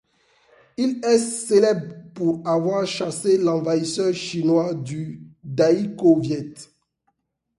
Il est célèbre pour avoir chassé l'envahisseur chinois du Đại Cồ Việt.